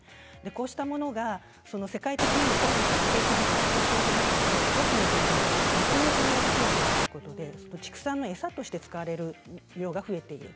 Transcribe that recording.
こうしたものが世界的にもコロナから景気が回復している中で多くの国で肉の需要が増えているということで、畜産の餌として使われる需要が増えている。